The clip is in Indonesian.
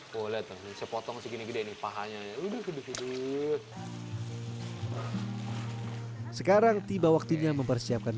boleh tuh sepotong segini gede nih pahanya ya udah sedih sekarang tiba waktunya mempersiapkan